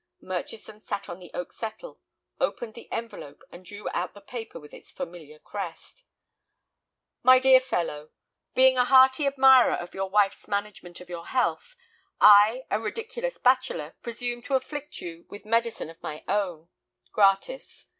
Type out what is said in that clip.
Murchison sat on the oak settle, opened the envelope, and drew out the paper with its familiar crest. "My dear Fellow,—Being a hearty admirer of your wife's management of your health, I, a ridiculous bachelor, presume to afflict you with medicine of my own, gratis.